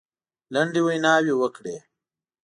لنډې ویناوي وکړې.